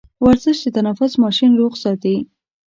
ورزش د تنفس ماشين روغ ساتي.